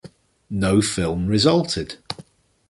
No film resulted.